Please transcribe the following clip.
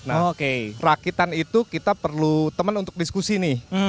nah rakitan itu kita perlu teman untuk diskusi nih